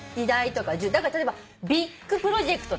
だから例えばビッグプロジェクト。